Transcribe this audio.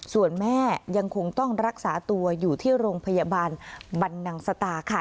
ส่วนแม่ยังคงต้องรักษาตัวอยู่ที่โรงพยาบาลบรรนังสตาค่ะ